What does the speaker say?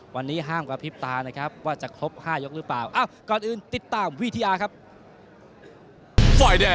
วันนี้ห้ามกระพริบตานะครับว่าจะครบ๕ยกหรือเปล่า